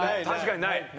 確かにない。